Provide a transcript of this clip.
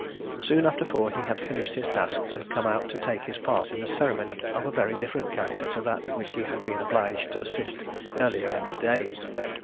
Soon after four he had finished his task, and come out to take his part in a ceremony of a very different character to that at which he had been obliged to assist earlier in the day.